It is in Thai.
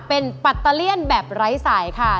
เป็นปัตเตอร์เลี่ยนแบบไร้สายค่ะ